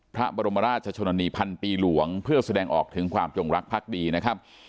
พระบรมราชชนนีพันปีหลวงเพื่อแสดงออกถึงความจงรักพักดีนะครับ